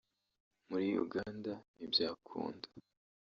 muri Uganda ntibyakunda